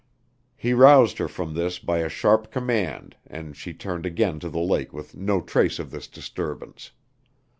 He roused her from this by a sharp command, and she turned again to the lake with no trace of this disturbance.